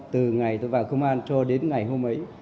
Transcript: từ ngày tôi vào công an cho đến ngày hôm ấy